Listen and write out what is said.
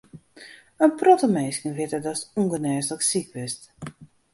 In protte minsken witte datst ûngenêslik siik bist.